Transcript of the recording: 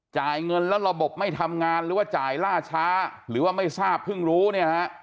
จ่ายเงินแล้วระบบไม่ทำงานหรือว่าจ่ายล่าช้าหรือว่าไม่ทราบเพิ่งรู้เนี่ยฮะ